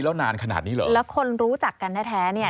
แล้วนานขนาดนี้เหรอแล้วคนรู้จักกันแท้แท้เนี่ย